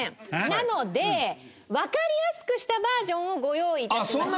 なのでわかりやすくしたバージョンをご用意致しましたので。